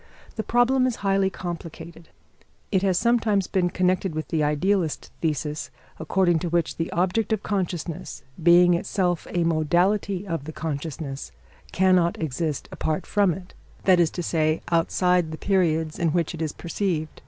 The problem is highly complicated. It has sometimes been connected with the idealist thesis according to which the object of consciousness, being itself a modality of the consciousness, cannot exist apart from it that is to say, outside the periods in which it is perceived.